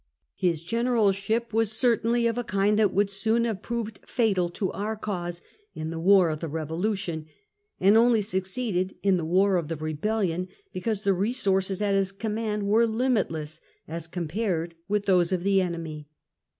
His General ship was certainly of a kind that would soon have proved fatal to our cause in the war of the Revolution, and only succeeded in the war of the Rebellion, because the resources at his command were limitless, as com pared with those of the enemy.